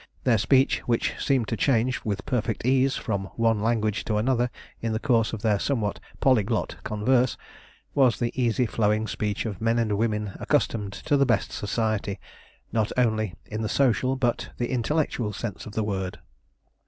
Their speech, which seemed to change with perfect ease from one language to another in the course of their somewhat polyglot converse, was the easy flowing speech of men and women accustomed to the best society, not only in the social but the intellectual sense of the word.